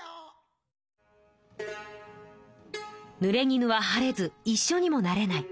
ぬれぎぬは晴れずいっしょにもなれない。